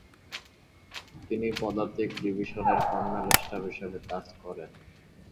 তিনি পদাতিক ডিভিশনের কর্নেল স্টাফ হিসেবে কাজ করেন।